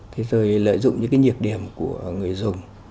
thì rồi lợi dụng những cái nhiệt điểm của người dùng